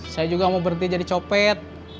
saya juga mau berhenti jadi copet